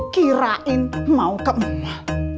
kirain mau kemana